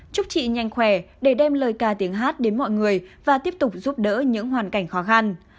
chúc chị nhanh khỏe để đem lời ca tiếng hát đến mọi người và tiếp tục giúp đỡ những hoàn cảnh khó khăn